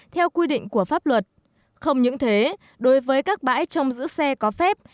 theo quy định của pháp luật không những thế đối với các bãi trong giữ xe có phép